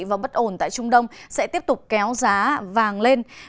và bất ổn tại trung đông sẽ tiếp tục kéo giá vàng lên